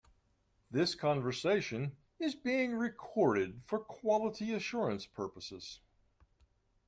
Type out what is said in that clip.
This conversation is being recorded for quality assurance purposes.